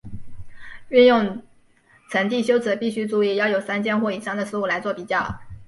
运用层递修辞必须注意要有三件或以上的事物来作比较。